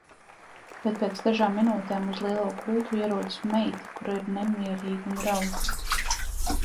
Bet pēc dažām minūtēm uz lielo gultu ierodas meita, kura ir nemierīga un raud.